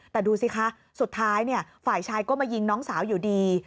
แต่ดูสิคะสุดท้ายฝ่ายชายก็มายิงน้องสาวอยู่ดี